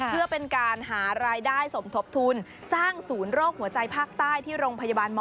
เพื่อเป็นการหารายได้สมทบทุนสร้างศูนย์โรคหัวใจภาคใต้ที่โรงพยาบาลม